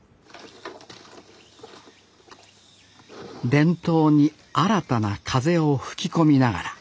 伝統に新たな風を吹き込みながら。